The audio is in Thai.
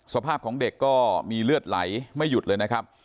สภาพของเด็กก็มีเลือดไหลไม่หยุดเลยนะครับ